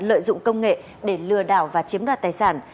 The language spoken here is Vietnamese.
lợi dụng công nghệ để lừa đảo và chiếm đoạt tài sản